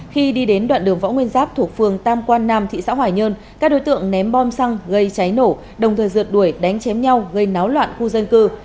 khi đi đến đoạn đường võ nguyên giáp thuộc phường tam quan nam thị xã hòa nhơn các đối tượng ném bom xăng gây cháy nổ đồng thời rượt đuổi đánh chém nhau gây náo loạn khu dân cư